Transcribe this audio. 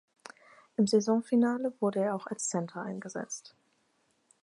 Im Saisonfinale wurde er auch als Center eingesetzt.